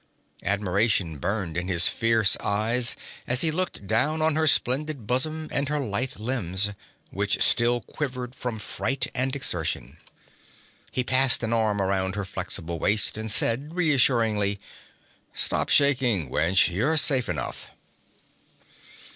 Admiration burned in his fierce eyes as he looked down on her splendid bosom and her lithe limbs, which still quivered from fright and exertion. He passed an arm around her flexible waist and said, reassuringly: 'Stop shaking, wench; you're safe enough.'